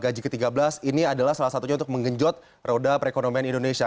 dan dikatakan bahwa gaji ke tiga belas ini adalah salah satunya untuk mengenjot roda perekonomian indonesia